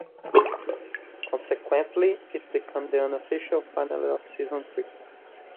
Consequently, it became the unofficial finale of season three.